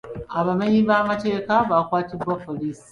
Abamenyi b'amateeka bakwatiddwa poliisi.